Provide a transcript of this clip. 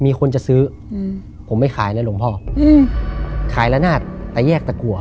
มีคนจะซื้ออืมผมไม่ขายแล้วหลวงพ่ออืมขายละนาดตะแยกตะกัว